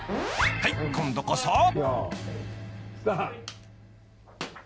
［はい。今度こそ］